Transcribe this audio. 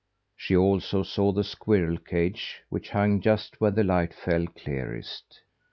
She also saw the squirrel cage which hung just where the light fell clearest.